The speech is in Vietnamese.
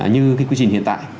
như cái quy trình hiện tại